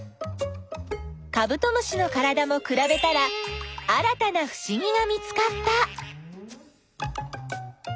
カブトムシのからだもくらべたら新たなふしぎが見つかった。